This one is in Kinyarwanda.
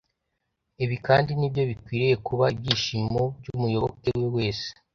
Ibi kandi ni byo bikwiriye kuba ibyishimo byumuyoboke we wese